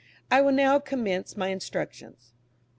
I will now commence my instructions.